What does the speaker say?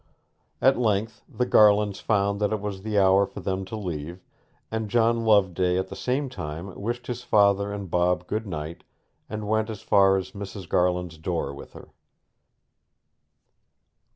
At length the Garlands found that it was the hour for them to leave, and John Loveday at the same time wished his father and Bob good night, and went as far as Mrs. Garland's door with her.